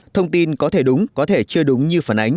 thông tin có thể đúng có thể chưa đúng như phản ánh